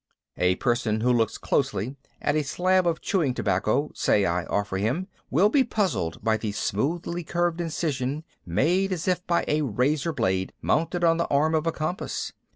A person who looks closely at a slab of chewing tobacco, say, I offer him will be puzzled by the smoothly curved incision, made as if by a razor blade mounted on the arm of a compass.